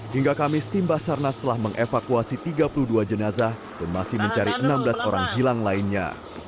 hingga kamis tim basarnas telah mengevakuasi tiga puluh dua jenazah dan masih mencari enam belas orang hilang lainnya